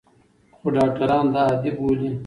خو ډاکټران دا عادي بولي.